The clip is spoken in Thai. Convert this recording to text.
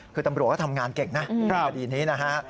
คือตำรวจก็ทำงานเก่งนะคดีนี้นะฮะ